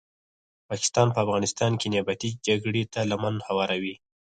پاکستان په افغانستان کې نیابتې جګړي ته لمن هواروي